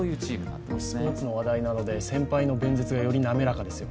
スポーツの話題なので先輩の弁舌が滑らかですね。